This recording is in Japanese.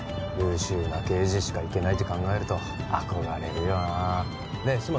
優秀な刑事しか行けないって考えると憧れるよなねえ